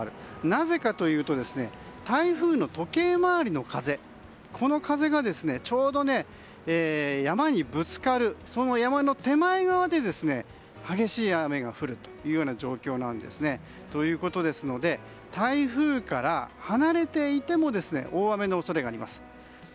なぜかというと台風の時計回りの風この風がちょうど山にぶつかるその山の手前側で激しい雨が降るという状況なんですね。ということですので台風から離れていても大雨の恐れがあります。